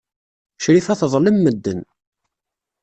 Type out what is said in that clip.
Crifa teḍlem medden.